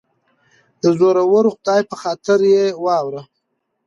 دزورور خدای په خاطر یه واوره